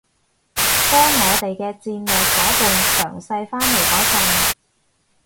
當我哋嘅戰略夥伴強勢返嚟嗰陣